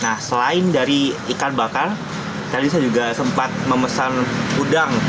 nah selain dari ikan bakar tadi saya juga sempat memesan udang